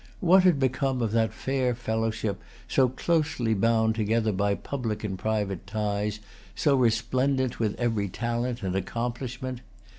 What had become of that fair fellowship, so closely bound together by public and private ties, so resplendent with every talent and accomplishment?